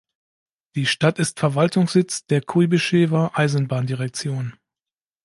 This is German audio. Die Stadt ist Verwaltungssitz der Kuibyschewer Eisenbahndirektion.